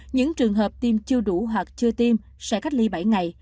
những trường hợp tiêm chưa đủ hoặc chưa tiêm sẽ cách ly bảy ngày